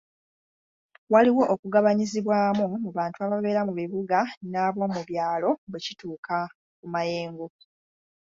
Waliwo okugabanyizibwamu mu bantu ababeera mu bibuga n'abomu byalo bwe kituuka ku mayengo.